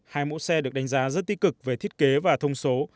hai mẫu xe được đánh giá rất tích cực về thiết kế và thông số